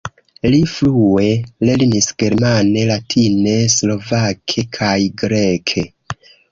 Li frue lernis germane, latine, slovake kaj greke.